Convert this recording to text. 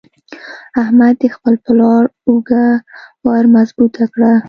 احمد د خپل پلار اوږه ور مضبوطه کړه.